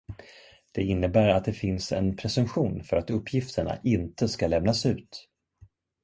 Det innebär att det finns en presumtion för att uppgifterna inte ska lämnas ut.